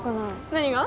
何が？